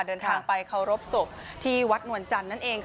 เดินทางไปเคารพศพที่วัดนวลจันทร์นั่นเองค่ะ